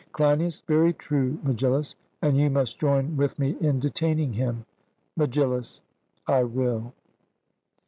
CLEINIAS: Very true, Megillus; and you must join with me in detaining him. MEGILLUS: I will.